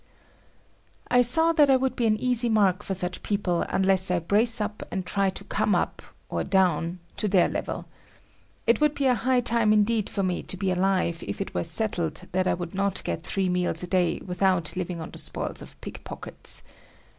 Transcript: I saw that I would be an easy mark for such people unless I brace up and try to come up, or down, to their level. It would be a high time indeed for me to be alive if it were settled that I would not get three meals a day without living on the spoils of pick pockets.